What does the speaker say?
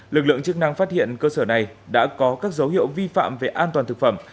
lực lượng chức năng phát hiện cơ sở này đã có các dấu hiệu vi phạm về an toàn thực phẩm